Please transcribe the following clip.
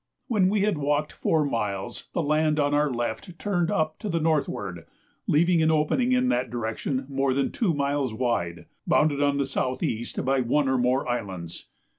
When we had walked four miles the land on our left turned up to the northward, leaving an opening in that direction more than two miles wide, bounded on the south east by one or more islands.